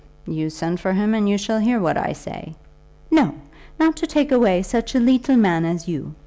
"You send for him and you shall hear what I say." "No; not to take away such a leetle man as you.